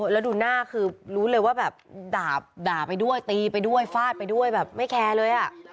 แล้วดูหน้าคือรู้เลยว่าแบบด่าไปด้วยตีไปด้วยฟาดไปด้วยแบบไม่แคร์เลยอ่ะ